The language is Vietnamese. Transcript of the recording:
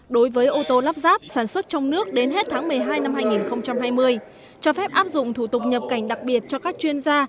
đối với ô tô lắp ráp sản xuất trong nước đến hết tháng một mươi hai năm hai nghìn hai mươi cho phép áp dụng thủ tục nhập cảnh đặc biệt cho các chuyên gia